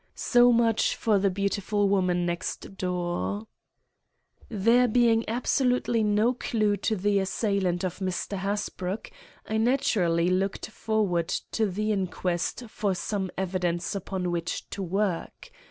So much for the beautiful woman next door. There being absolutely no clue to the assailant of Mr. Hasbrouck, I naturally looked forward to the inquest for some evidence upon which to work.